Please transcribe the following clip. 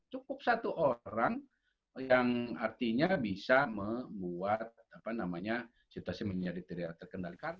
cukup satu orang yang artinya bisa membuat situasi menjadi tidak terkendalikan